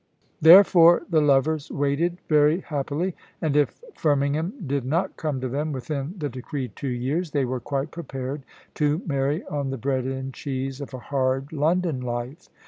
Therefore the lovers waited very happily, and if Firmingham did not come to them within the decreed two years, they were quite prepared to marry on the bread and cheese of a hard London life.